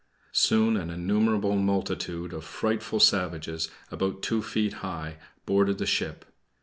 Soon an innumerable multitude of frightful savages, about two feet high, boarded the ship.